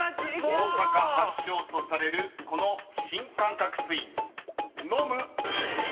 ［大阪発祥とされるこの新感覚スイーツ］